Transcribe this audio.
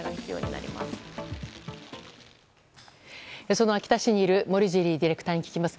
その秋田市にいる森尻ディレクターに聞きます。